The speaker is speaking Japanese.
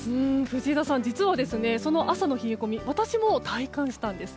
藤枝さん実はその朝の冷え込み私も体感したんです。